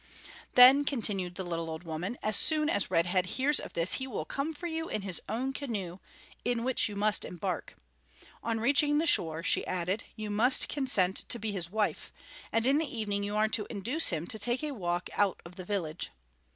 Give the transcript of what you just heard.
"Then," continued the little old woman, "as soon as Red Head hears of this he will come for you in his own canoe, in which you must embark. On reaching the shore," she added, "you must consent to be his wife; and in the evening you are to induce him to take a walk out of the village.